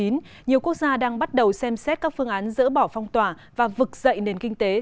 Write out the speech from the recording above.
nhiều quốc gia đang bắt đầu xem xét các phương án dỡ bỏ phong tỏa và vực dậy nền kinh tế